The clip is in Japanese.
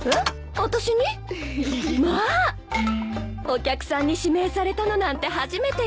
お客さんに指名されたのなんて初めてよ。